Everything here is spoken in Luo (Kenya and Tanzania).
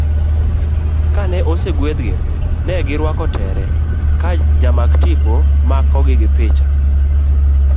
Kane osegwedhgi, negi rwako tere ka jamak tipo makogi gi picha.